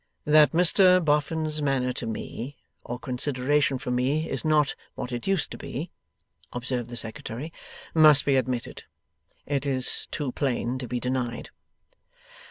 'That Mr Boffin's manner to me, or consideration for me, is not what it used to be,' observed the Secretary, 'must be admitted. It is too plain to be denied.